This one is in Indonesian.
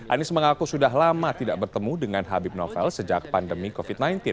anies mengaku sudah lama tidak bertemu dengan habib novel sejak pandemi covid sembilan belas